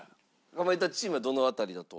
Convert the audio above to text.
かまいたちチームはどの辺りだと？